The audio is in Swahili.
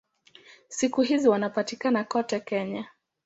Siku hizi wanapatikana kote Kenya.